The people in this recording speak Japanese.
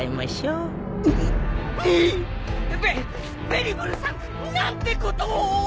ベベリブルさん何てことを。